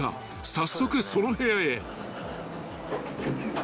［早速その部屋へ］